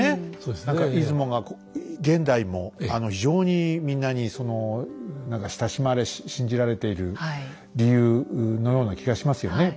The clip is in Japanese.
何か出雲が現代も非常にみんなに親しまれ信じられている理由のような気がしますよね。